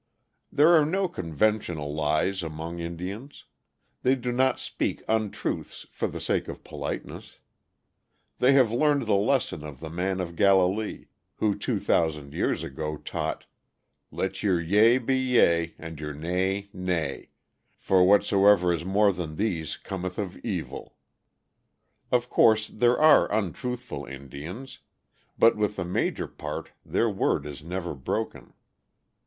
There are no conventional lies among Indians. They do not speak untruths for the sake of politeness. They have learned the lesson of the Man of Galilee, who two thousand years ago taught, "Let your yea be yea, and your nay nay, for whatsoever is more than these cometh of evil." Of course there are untruthful Indians, but with the major part their word is never broken.